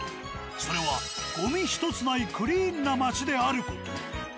それはゴミひとつないクリーンな街である事。